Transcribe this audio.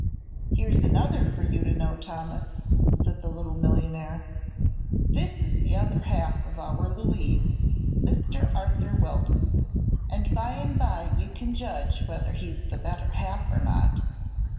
"Here's another for you to know, Thomas," said the little millionaire. "This is the other half of our Louise Mr. Arthur Weldon and by and by you can judge whether he's the better half or not."